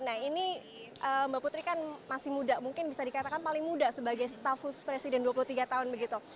nah ini mbak putri kan masih muda mungkin bisa dikatakan paling muda sebagai staf khusus presiden dua puluh tiga tahun begitu